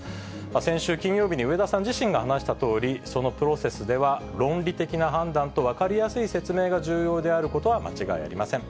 先週金曜日に植田さん自身が話したとおり、そのプロセスでは論理的な判断と分かりやすい説明が重要であることは間違いありません。